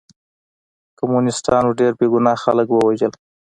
کمونستانو ډېر بې ګناه خلک ووژل